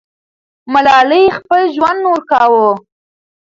ملالۍ خپل ژوند ورکاوه.